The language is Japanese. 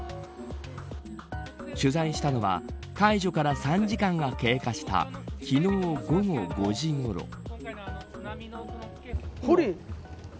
取材したのは解除から３時間が経過した昨日、午後５時ごろ。